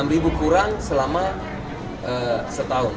enam ribu kurang selama setahun